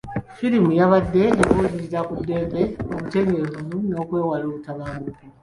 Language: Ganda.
Firimu yabadde ebuulirira ku ddembe, obutebenkevu, n'okwewala obutabanguko.